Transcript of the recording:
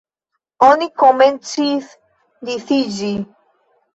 Oni komencis disiĝi.